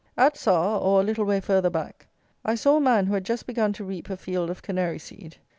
At Sarr, or a little way further back, I saw a man who had just begun to reap a field of canary seed.